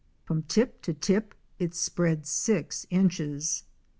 From tip to tip it spreads six inches.